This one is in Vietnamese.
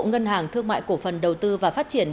ngân hàng thương mại cổ phần đầu tư và phát triển